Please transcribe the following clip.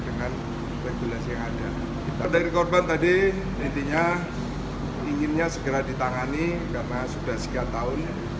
dengan regulasi yang ada dari korban tadi intinya inginnya segera ditangani karena sudah sekian tahun